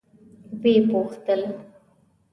ويې پوښتل.